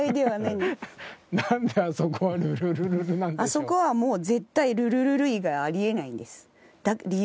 あそこはもう絶対「ルルルル」以外あり得ないんです。